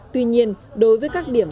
tuy nhiên đối với các điểm